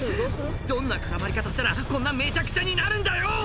「どんな絡まり方したらこんなめちゃくちゃになるんだよ」